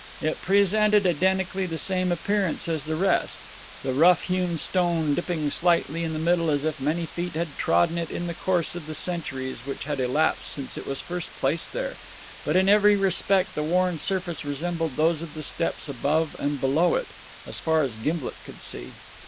It presented identically the same appearance as the rest, the rough hewn stone dipping slightly in the middle as if many feet had trodden it in the course of the centuries which had elapsed since it was first placed there, but in every respect the worn surface resembled those of the steps above and below it, as far as Gimblet could see.